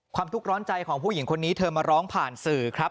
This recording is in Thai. ทุกข์ร้อนใจของผู้หญิงคนนี้เธอมาร้องผ่านสื่อครับ